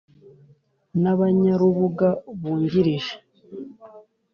n’abanyarubuga bungirije.